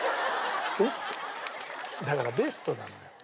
だからベストなのよ。